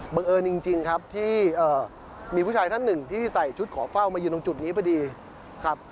เอิญจริงครับที่มีผู้ชายท่านหนึ่งที่ใส่ชุดขอเฝ้ามายืนตรงจุดนี้พอดีครับ